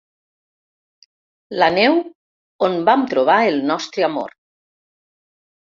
La neu on vam trobar el nostre amor.